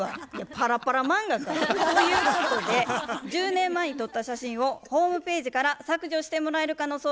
パラパラ漫画か。ということで１０年前に撮った写真をホームページから削除してもらえるかの相談でやってまいりました。